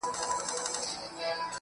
خدای په ژړا دی، خدای پرېشان دی.